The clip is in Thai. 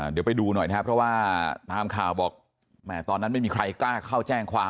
เดี๋ยวไปดูหน่อยนะครับเพราะว่าตามข่าวบอกแหมตอนนั้นไม่มีใครกล้าเข้าแจ้งความ